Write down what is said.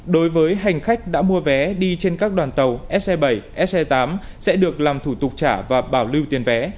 đối với hành khách đã mua vé đi trên các đoàn tàu se bảy se tám sẽ được làm thủ tục trả và bảo lưu tiền vé